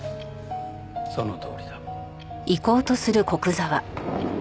そのとおりだ。